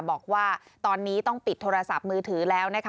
บอกว่าตอนนี้ต้องปิดโทรศัพท์มือถือแล้วนะคะ